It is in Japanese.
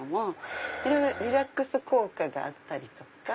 いろいろリラックス効果があったりとか。